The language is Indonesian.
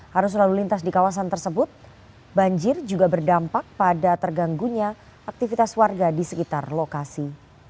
harus lalu lintas di kawasan tersebut banjir juga berdampak pada terganggunya aktivitas warga di sekitar lokasi